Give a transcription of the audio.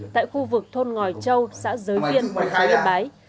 tại khu vực thôn ngòi châu xã giới viên khu vực bái